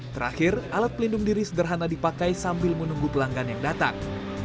terakhir alat pelindung diri sederhana dipakai sambil menunggu pelanggan yang datang